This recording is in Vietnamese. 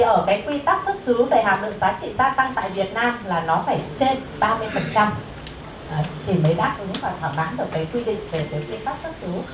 ở quy tắc xuất xứ về hàng lượng giá trị gia tăng tại việt nam là nó phải trên ba mươi thì mới đáp ứng và thảo bán được quy định về quy tắc xuất xứ